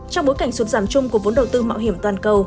trong bối cảnh sụt giảm chung của vốn đầu tư mạo hiểm toàn cầu